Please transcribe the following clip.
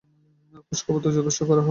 খোঁজখবর তো যথেষ্টই করা হল, আর কত?